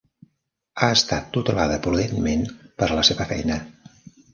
Ha estat tutelada prudentment per la seva feina.